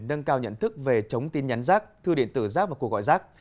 nâng cao nhận thức về chống tin nhắn rác thư điện tử rác và cuộc gọi rác